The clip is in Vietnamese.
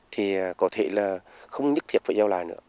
thì có thể là không nhất thiệt phải giao lại nữa